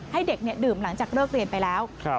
ให้เด็กดื่มหลังจากเลิกเรียนไปแล้ว